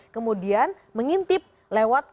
kemudian mengintip lewat kardus